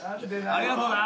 ありがとな。